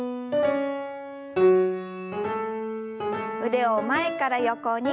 腕を前から横に。